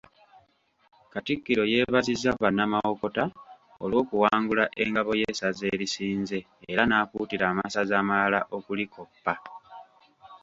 Katikkiro yeebazizza bannamawokota olw'okuwangula engabo y'essaza erisinze era n'akuutira amasaza amalala okulikoppa.